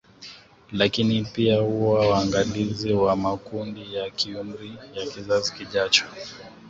Lakini pia kuwa waangalizi wa makundi ya kiumri ya kizazi kijacho